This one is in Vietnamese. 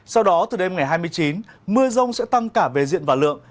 sau đó từ đêm ngày hai mươi chín mưa rông sẽ tăng cả về diện và lượng